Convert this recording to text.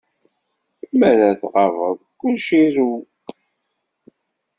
Mi ara tɣabed, kullec ireww.